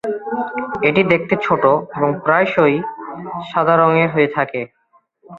এটি দেখতে ছোট এবং প্রায়শঃই সাদা রঙের হয়ে থাকে।